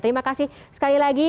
terima kasih sekali lagi